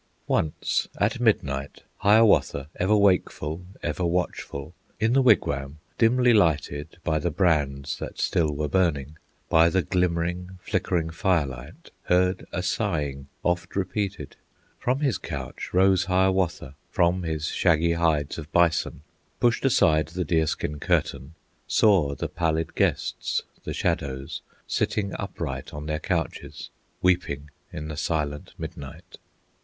Once at midnight Hiawatha, Ever wakeful, ever watchful, In the wigwam, dimly lighted By the brands that still were burning, By the glimmering, flickering firelight Heard a sighing, oft repeated, From his couch rose Hiawatha, From his shaggy hides of bison, Pushed aside the deer skin curtain, Saw the pallid guests, the shadows, Sitting upright on their couches, Weeping in the silent midnight.